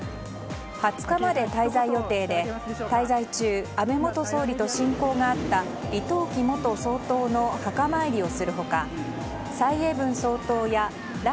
２０日まで滞在予定で、滞在中安倍元総理と親交があった李登輝元総統の墓参りをする他蔡英文総統や頼